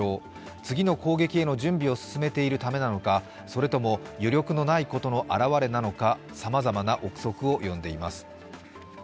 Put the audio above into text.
次の攻撃への準備を進めているためなのかそれとも余力のないことの表れなのかさまざまな憶測を呼んでいます。